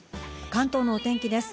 関東のお天気です。